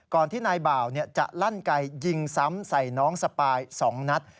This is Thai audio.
ที่นายบ่าวจะลั่นไกยิงซ้ำใส่น้องสปาย๒นัด